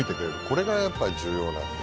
これがやっぱり重要なので。